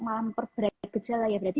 malah memperberat gejala ya berarti